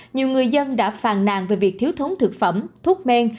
nhiều người dân đã phàn nàn về việc thiếu thống thực phẩm thuốc men